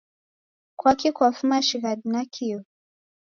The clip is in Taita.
kwaki kwafuma shighadi nakio?